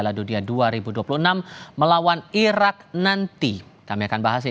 jadi saya pikir kita sangat yakin